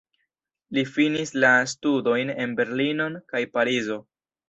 Li finis la studojn en Berlinon kaj Parizo.